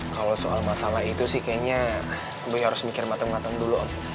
kalau soal masalah itu sih kayaknya boy harus mikir mateng mateng dulu om